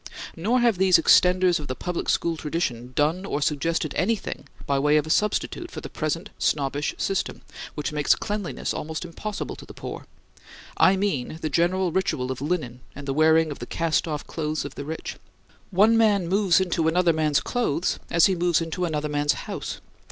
Nor have these extenders of the public school tradition done or suggested anything by way of a substitute for the present snobbish system which makes cleanliness almost impossible to the poor; I mean the general ritual of linen and the wearing of the cast off clothes of the rich. One man moves into another man's clothes as he moves into another man's house.